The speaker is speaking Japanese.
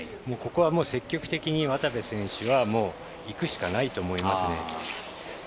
ここは積極的に渡部選手は行くしかないと思います。